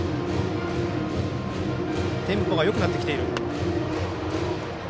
テンポがよくなってきている。